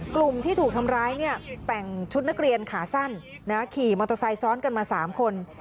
กลุ่มที่ถูกทำร้ายเนี่ยแต่งชุดนักเรียนขาสั้นขี่มอเตอร์ไซค์ซ้อนกันมา๓คน